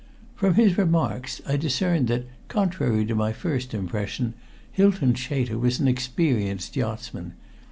From his remarks I discerned that, contrary to my first impression, Hylton Chater was an experienced yachtsman.